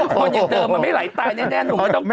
คนนี้เดิมมันไม่ไหลตายแน่นหนูมันต้องกลัว